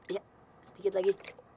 iya sedikit lagi